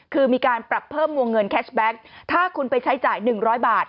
คือมีการปรับเพิ่มวงเงินแคชแบ็คถ้าคุณไปใช้จ่าย๑๐๐บาท